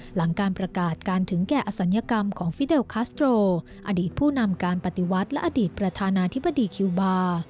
หลังการประกาศการถึงแก่อศัลยกรรมของฟิเดลคัสโตรอดีตผู้นำการปฏิวัติและอดีตประธานาธิบดีคิวบาร์